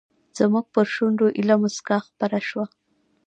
زموږ پر شونډو ایله موسکا خپره شوه.